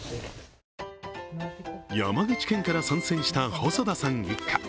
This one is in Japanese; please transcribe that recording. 山口県から参戦した細田さん一家。